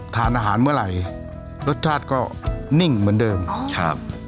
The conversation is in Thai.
ทานอาหารเมื่อไหร่รสชาติก็นิ่งเหมือนเดิมครับ